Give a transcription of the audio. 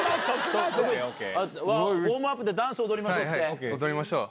ウォームアップでダンス踊り踊りましょう。